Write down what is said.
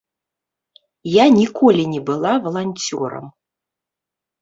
Я ніколі не была валанцёрам.